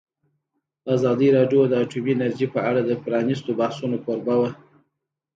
ازادي راډیو د اټومي انرژي په اړه د پرانیستو بحثونو کوربه وه.